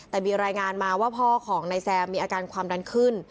แต่มีรายงานมาว่าพ่อของนายแซมมีอาการความดันขึ้น